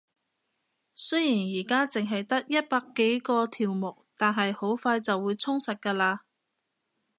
雖然而家淨係得一百幾個條目，但係好快就會充實㗎喇